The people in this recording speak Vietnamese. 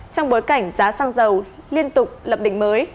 trong bối cảnh giá xăng dầu liên tục lập đỉnh mới